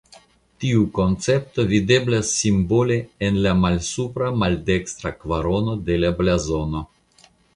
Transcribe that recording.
Tiu koncepto videblas simbole en la malsupra maldekstra kvarono de la blazono.